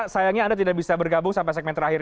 sayangnya anda tidak bisa bergabung sampai segmen terakhir